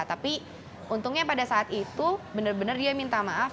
tapi untungnya pada saat itu benar benar dia minta maaf